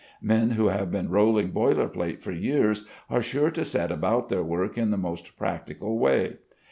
Men who have been rolling boiler plate for years are sure to set about their work in the most practical way.